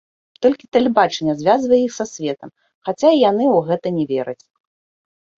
Толькі тэлебачанне звязвае іх са светам, хаця і яны ў гэта не вераць.